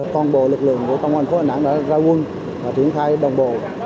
còn bộ lực lượng của công an phố hà nẵng đã ra quân và triển thai đồng bộ